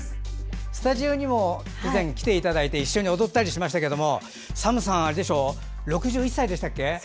スタジオにも以前来ていただいて一緒に踊りましたけどＳＡＭさん、６１歳でしたっけ。